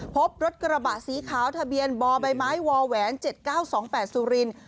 พบรถกระบะสีขาวทะเบียนบใบไม้วแหวน๗๙๒๘สุรินทร์